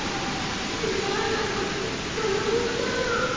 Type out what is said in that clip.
ちがうの感動したの！